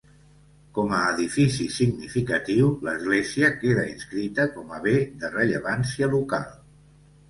Com a edifici significatiu, l'església queda inscrita com a Bé de Rellevància Local.